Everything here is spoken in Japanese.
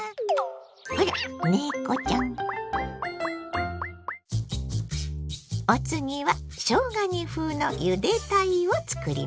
あら猫ちゃん！お次はしょうが煮風のゆで鯛を作ります。